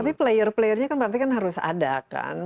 tapi player playernya kan berarti kan harus ada kan